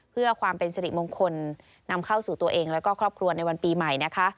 เพื่อความเป็นสิริมงคลนำเข้าสู่ตัวเองแล้วก็ครอบครัวในวันปีใหม่นะคะ